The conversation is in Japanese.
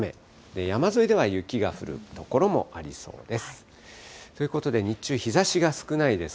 山沿いでは雪が降る所もありそうです。